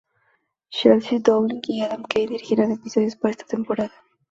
Chelsea Dowling y Adam Kane dirigirán episodios para esta temporada.